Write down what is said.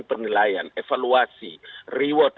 penilaian evaluasi reward